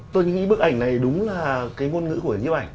tôi nghĩ bức ảnh này đúng là cái ngôn ngữ của nhiếp ảnh